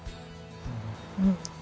うん。